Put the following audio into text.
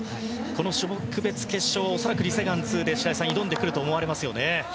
この種目別決勝恐らく、リ・セグァン２で白井さん、挑んでくると思われますよね。